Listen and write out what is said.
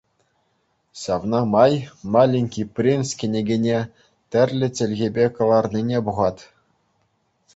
Ҫавна май «Маленький принц» кӗнекене тӗрлӗ чӗлхепе кӑларнине пухать.